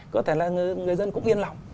chẳng hạn là người dân cũng yên lòng